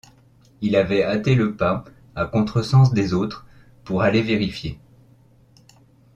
Il avait hâté le pas, à contresens des autres, pour aller vérifier.